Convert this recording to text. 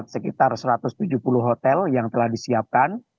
sekitar satu ratus tujuh puluh hotel yang telah disiapkan